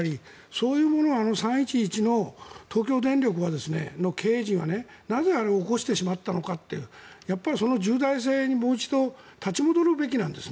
そういうものを３・１１の東京電力の経営陣はなぜ、あれを起こしてしまったのかというその重大性にもう一度立ち戻るべきなんです。